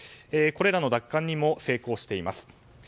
これらの奪還にも成功しています。